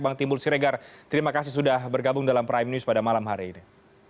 bang timbul siregar terima kasih sudah bergabung dalam prime news pada malam hari ini